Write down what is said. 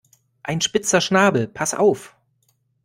Ein spitzer Schnabel, pass auf!